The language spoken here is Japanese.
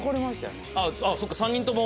そっか３人とも。